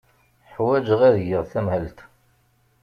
Ḥwajeɣ ad geɣ tamhelt.